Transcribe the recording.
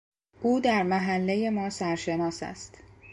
او در محلهی ما سرشناس است.